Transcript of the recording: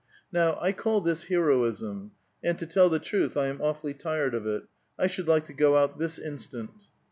" Now, I call this heroism, and, to tell the truth, I am awfully tired of it ; I should like to go out this instant."